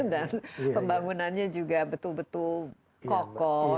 dan pembangunannya juga betul betul kokoh